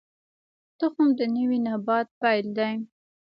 تخم د نوي نبات پیل دی